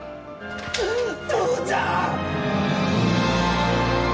父ちゃん